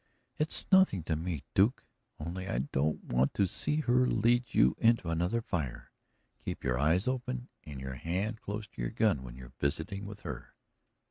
"It's nothing to me, Duke, only I don't want to see her lead you into another fire. Keep your eyes open and your hand close to your gun when you're visiting with her."